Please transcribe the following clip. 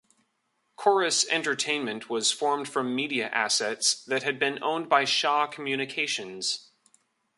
Corus Entertainment was formed from media assets that had been owned by Shaw Communications.